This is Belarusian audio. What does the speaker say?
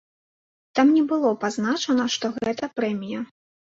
Там не было пазначана, што гэта прэмія.